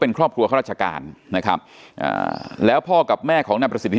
เป็นครอบครัวข้าราชการนะครับอ่าแล้วพ่อกับแม่ของนายประสิทธิ